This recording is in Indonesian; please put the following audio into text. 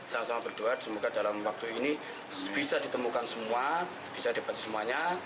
sama sama berdoa semoga dalam waktu ini bisa ditemukan semua bisa dibatasi semuanya